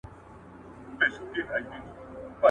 پاته څه سوه بې له غمه؟